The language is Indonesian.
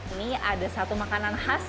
ini ada satu makanan khas